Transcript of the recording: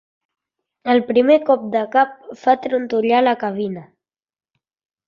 El primer cop de cap fa trontollar la cabina.